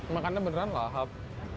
makannya beneran lahap